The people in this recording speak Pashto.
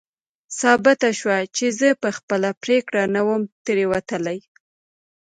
ثابته شوه چې زه په خپله پرېکړه نه وم تېروتلی.